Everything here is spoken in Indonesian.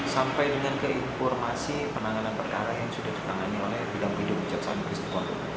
sampai dengan keinformasi penanganan perkara yang sudah ditangani oleh bidang hidup kejaksaan negeri situbondo